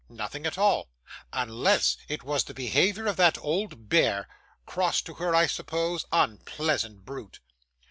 'Nothing at all, unless it was the behaviour of that old bear. Cross to her, I suppose? Unpleasant brute!